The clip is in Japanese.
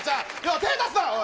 手出すな、おい。